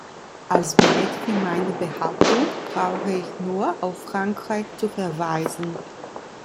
Als Beleg für meine Behauptung brauche ich nur auf Frankreich zu verweisen.